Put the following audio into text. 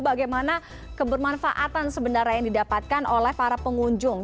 bagaimana kebermanfaatan sebenarnya yang didapatkan oleh para pengunjung